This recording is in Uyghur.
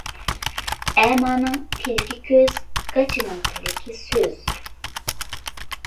ئەمانىڭ تىلىكى كۆز، گاچىنىڭ تىلىكى سۆز.